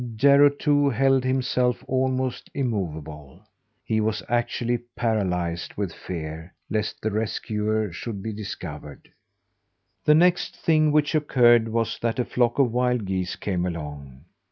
Jarro too held himself almost immovable. He was actually paralysed with fear lest the rescuer should be discovered. The next thing which occurred was that a flock of wild geese came along.